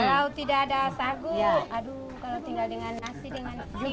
kalau tidak ada sagu aduh kalau tinggal dengan nasi dengan mie